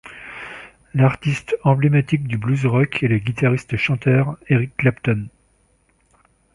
L'artiste emblématique du blues rock est le guitariste-chanteur Eric Clapton.